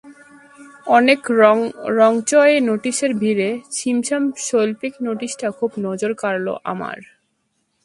অনেক রংচঙে নোটিশের ভিড়ে ছিমছাম শৈল্পিক নোটিশটা খুব নজর কাড়ল আমার।